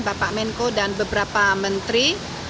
bapak menko dan beberapa menteri